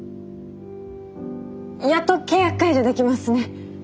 やっと契約解除できますね！